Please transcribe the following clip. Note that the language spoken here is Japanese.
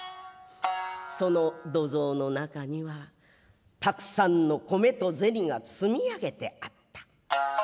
其の土蔵の中には沢山の米と銭が積み上げてあった。